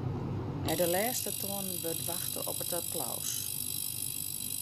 Nei de lêste toanen wurdt wachte op it applaus.